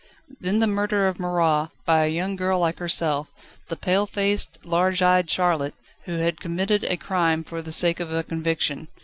Then the murder of Marat, by a young girl like herself, the pale faced, large eyed Charlotte, who had committed a crime for the sake of a conviction.